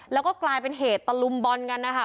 แล้วก็กลายเป็นเหตุตะลุมบอลกันนะคะ